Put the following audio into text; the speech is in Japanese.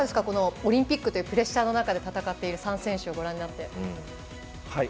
このオリンピックというプレッシャーの中で戦っている３選手ご覧になって。